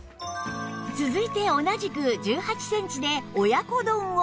続いて同じく１８センチで親子丼を